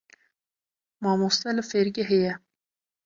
Mamoste li fêrgehê ye.